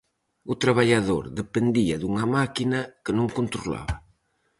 O traballador dependía dunha máquina que non controlaba.